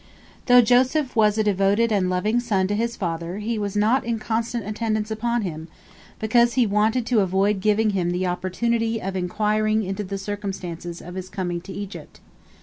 " Though Joseph was a devoted and loving son to his father, he was not in constant attendance upon him, because he wanted to avoid giving him the opportunity of inquiring into the circumstances of his coming to Egypt.